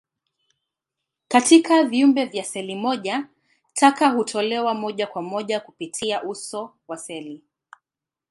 Katika viumbe vya seli moja, taka hutolewa moja kwa moja kupitia uso wa seli.